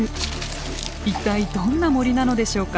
一体どんな森なのでしょうか？